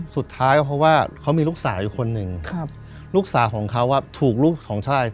สุดท้ายก็เพราะว่าเขามีลูกสาวอยู่คนหนึ่งครับลูกสาวของเขาถูกลูกของชาย